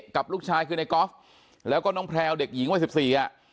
กับลูกชายคือในกอล์ฟแล้วก็น้องแพลวเด็กหญิงวัยสิบสี่อ่ะ